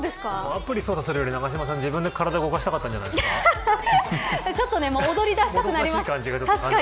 アプリ操作するより永島さん自分で体動かしたかったんじゃないですか。